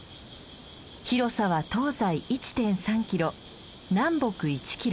広さは東西１．３キロ南北１キロ。